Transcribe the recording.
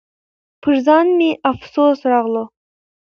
پر ځان مې افسوس راغلو .